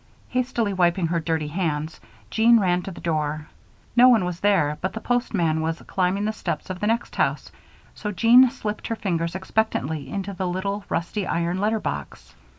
Hastily wiping her dusty hands, Jean ran to the door. No one was there, but the postman was climbing the steps of the next house, so Jean slipped her fingers expectantly into the little, rusty iron letter box.